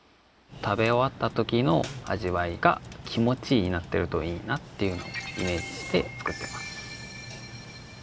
食べ終わった時の味わいが「気持ちいい」になってるといいなっていうのをイメージして作ってます